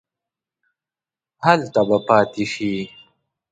هلته به پاتې شې.